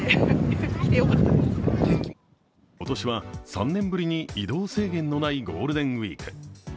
今年は３年ぶりに移動制限のないゴールデンウイーク。